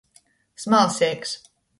Smalseigs.